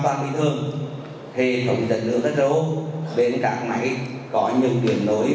và hội đồng kiên bôn đã đi đến kết luận nguyên nhân xảy ra sự cố lệ do nước